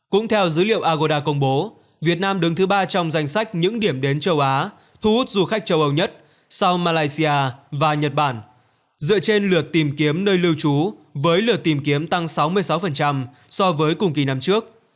cũng theo dữ liệu agoda công bố việt nam đứng thứ ba trong danh sách những điểm đến châu á thu hút du khách châu âu nhất sau malaysia và nhật bản dựa trên lượt tìm kiếm nơi lưu trú với lượt tìm kiếm tăng sáu mươi sáu so với cùng kỳ năm trước